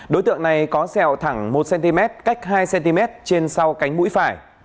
đối tượng này có sẹo thẳng một cm cách hai cm trên sau cánh mũi phải